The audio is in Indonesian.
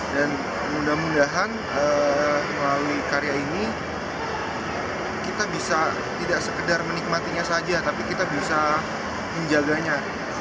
mudah mudahan melalui karya ini kita bisa tidak sekedar menikmatinya saja tapi kita bisa menjaganya